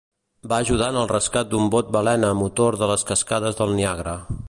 Va ajudar en el rescat d'un bot balena a motor de les cascades del Niàgara.